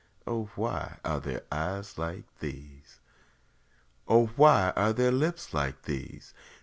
O why are there eyes like these? O why are there lips like these?